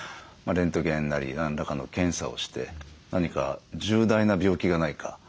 レントゲンなり何らかの検査をして何か重大な病気がないか。